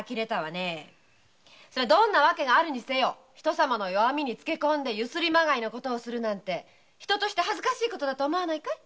どんな訳があるにせよ人様の弱味につけこんでユスリまがいのことをするなんて恥ずかしいとは思わないかい？